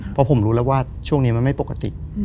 เพราะผมรู้แล้วว่าช่วงนี้มันไม่ปกติ